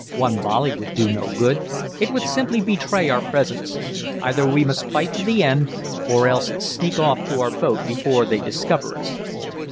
"One volley would do no good. It would simply betray our presence. Either we must fight to the end, or else sneak off to our boat before they discover us."